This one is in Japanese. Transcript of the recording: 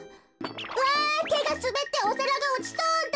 わてがすべっておさらがおちそうだ！